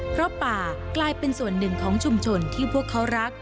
เพราะป่ากลายเป็นส่วนหนึ่งของชุมชนที่พวกเขารัก